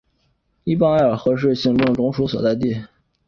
依傍艾尔河是行政中枢所在地。